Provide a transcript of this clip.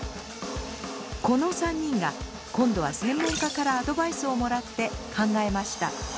この３人が今度は専門家からアドバイスをもらって考えました。